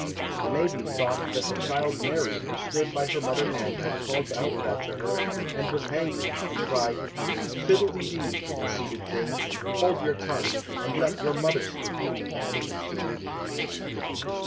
The maiden thought that the child Mary who stood by her mother Anne had called out that to her, and was angry, and cried, "Fiddle de dee, conceited thing, hold your tongue, and let your mother speak!"